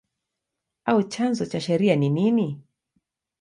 au chanzo cha sheria ni nini?